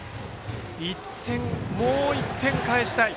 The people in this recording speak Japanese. もう１点返したい。